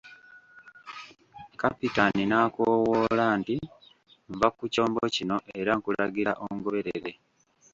Kapitaani n'akowoola nti nva ku kyombo kino era nkulagira ongoberere.